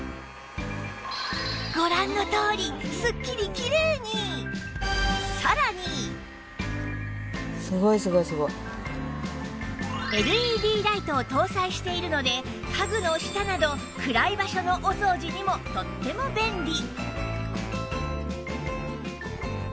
ご覧のとおりＬＥＤ ライトを搭載しているので家具の下など暗い場所のお掃除にもとっても便利！